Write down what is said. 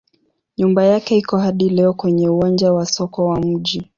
Nyumba yake iko hadi leo kwenye uwanja wa soko wa mji.